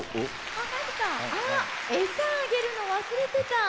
あっ餌あげるの忘れてた。